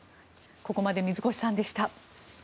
ここまで水越さんでした。